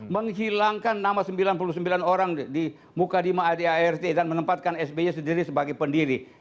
menghilangkan nama sembilan puluh sembilan orang di mukadimah adart dan menempatkan sby sendiri sebagai pendiri